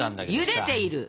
ゆでている？